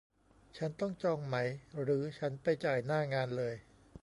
ฉันต้องจองไหม หรือ ฉันไปจ่ายหน้างานเลย